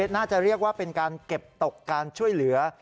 น่าจะเรียกว่าเป็นการเก็บตกการช่วยเหลือ